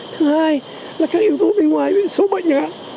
thứ hai là các yếu tố bên ngoài số bệnh chẳng hạn